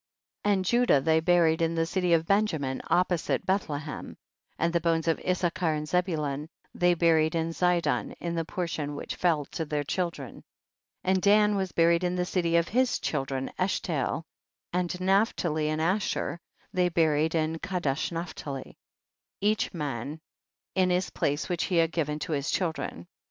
And Judah they buried in the city of Benjamin opposite Bethle hem. 43. And the bones of Issachar and Zebulun they buried in Zidon, in the portion which fell to their chil dren. 44. And Dan was buried in the city of his children in Eshtael, and Naphtali and Aslier they buried in Kadesh naphtali, each man in his place which he had given to his chil dren.